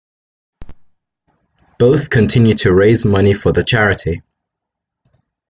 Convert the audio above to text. Both continue to raise money for the charity.